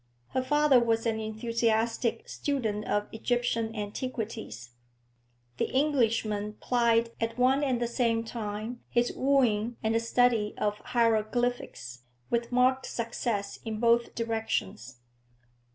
Her father was an enthusiastic student of Egyptian antiquities; the Englishman plied at one and the same time his wooing and the study of hieroglyphics, with marked success in both directions.